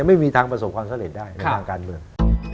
ไม่มีทางประสบความสำเร็จได้ในทางการเมือง